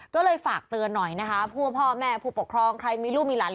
ก็เลยฝากเตือนหน่อยนะคะผู้ว่าพ่อแม่ผู้ปกครองใครมีลูกมีหลาน